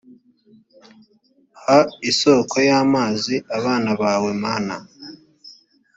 ha isoko y amazi abana bawe mana